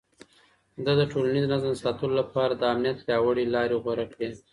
ده د ټولنيز نظم ساتلو لپاره د امنيت پياوړې لارې غوره کړې.